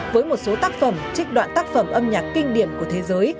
với một số tác phẩm trích đoạn tác phẩm âm nhạc kinh điển của thế giới